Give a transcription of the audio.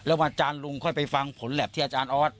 อาจารย์ลุงค่อยไปฟังผลแล็บที่อาจารย์ออส